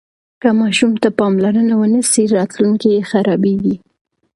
که ماشوم ته پاملرنه ونه سي راتلونکی یې خرابیږي.